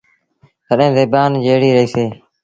تڏهيݩ زبآن جيٚريٚ رهيٚسي۔